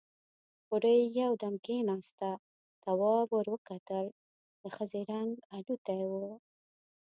بوډۍ يودم کېناسته، تواب ور وکتل، د ښځې رنګ الوتی و.